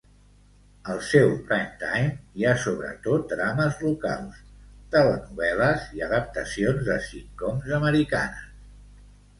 Al seu "primetime" hi ha sobretot drames locals, telenovel·les i adaptacions de sitcoms americanes.